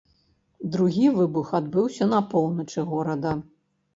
Другі выбух адбыўся на поўначы горада.